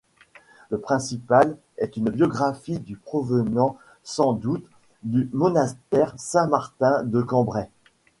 Le principal est une biographie du provenant sans doute du monastère Saint-Martin de Cambrai.